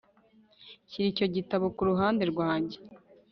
shyira icyo gitabo ku ruhande rwanjye